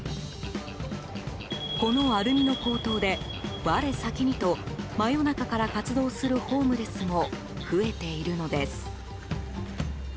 このアルミの高騰で、我先にと真夜中から活動するホームレスも増えているのです。